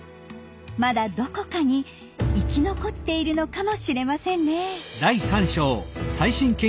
まだどこかに生き残っているのかもしれませんね。